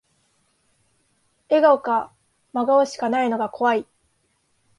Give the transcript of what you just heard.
笑顔か真顔しかないのが怖い